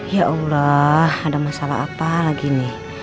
ya allah ada masalah apa lagi nih